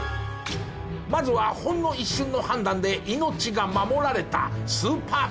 まずはほんの一瞬の判断で命が守られたスーパープレー。